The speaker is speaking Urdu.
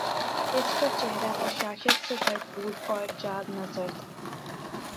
اس کا چہرہ بشاشت سے بھر پور اور جاب نظر تھا